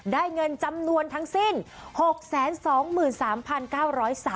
ได้เงินจำนวนทั้งสิ้น๖๒๓๙๓๔บาทค่ะ